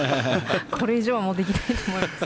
これ以上はできないと思います。